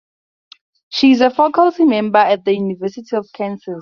She is a faculty member at the University of Kansas.